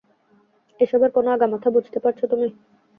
এসবের কোনো আগামাথা বুঝতে পারছ তুমি?